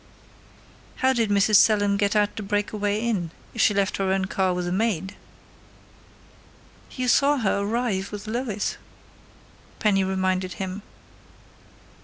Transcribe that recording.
"How did Mrs. Selim get out to Breakaway Inn, if she left her own car with the maid?" "You saw her arrive with Lois," Penny reminded him.